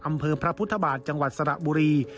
อำเภอพระพุทธบาทจังหวัดสระบุรี